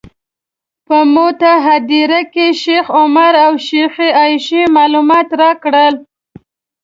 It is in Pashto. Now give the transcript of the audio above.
په موته هدیره کې شیخ عمر او شیخې عایشې معلومات راکړل.